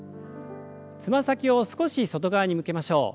つま先を少し外側に向けましょう。